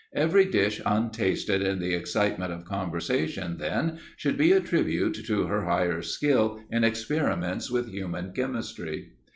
Every dish untasted in the excitement of conversation, then, should be a tribute to her higher skill in experiments with human chemistry.